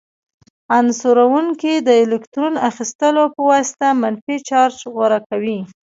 عنصرونه د الکترون اخیستلو په واسطه منفي چارج غوره کوي.